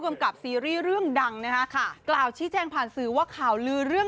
กับซีรีส์เรื่องดังนะคะค่ะกล่าวชี้แจงผ่านสื่อว่าข่าวลือเรื่อง